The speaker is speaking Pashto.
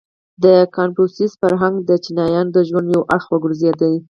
• د کنفوسیوس فرهنګ د چینایانو د ژوند یو اړخ وګرځېد.